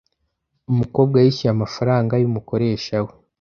Umukobwa yishyuye amafaranga yumukoresha we.